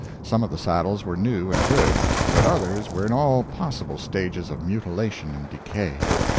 Some of the saddles were new and good, but others were in all possible stages of mutilation and decay.